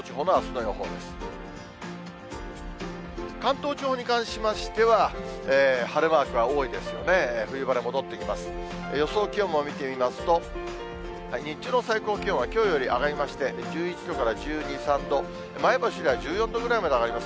予想気温も見てみますと、日中の最高気温はきょうより上がりまして、１１度から１２、３度、前橋では１４度ぐらいまで上がります。